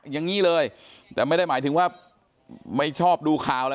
อย่างนี้เลยแต่ไม่ได้หมายถึงว่าไม่ชอบดูข่าวอะไร